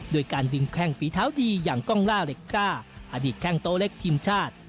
โดยการดึงแข้งฝีเท้าดีอย่างกล้องล่าเหล็กกล้าอดีตแข้งโต๊ะเล็กทีมชาติ